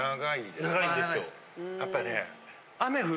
・やっぱりね。